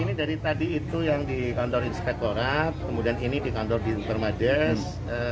ini dari tadi itu yang di kantor inspektorat kemudian ini di kantor di intermades